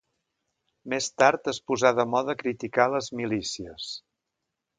Més tard es posà de moda criticar les milícies